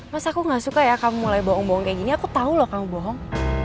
mas aku gak suka ya kamu mulai bawang bawang kayak gini aku tau loh kamu bohong